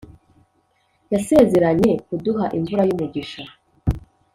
Yasezeranye kuduha, Imvura y’ umugisha